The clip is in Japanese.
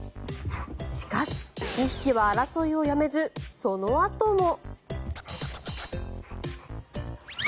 しかし２匹は争いをやめずそのあとも。